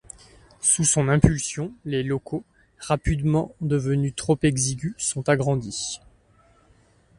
Sous son impulsion, les locaux, rapidement devenus trop exigus sont agrandis.